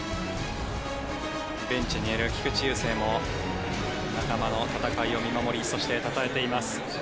ベンチにいる菊池雄星も仲間の戦いを見守りそして、称えています。